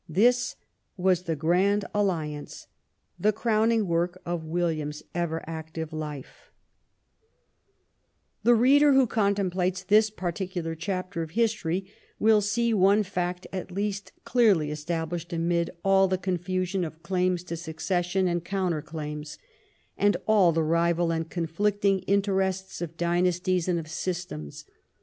This was the Grand Alliance, the crowning work of William's ever active life. 41 THE REIGN OF QUEEN ANNE The reader who contemplates this particular chapter of history will see one fact at least clearly established amid all the confusion of claims to succession, and counter claims, and all the rival and conflicting inter ests of dynasties and of systems.